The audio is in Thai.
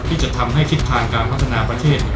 ที่จะทำให้ทิศทางการพัฒนาประเทศ